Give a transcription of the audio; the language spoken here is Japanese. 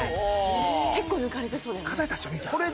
結構抜かれてそうだよね。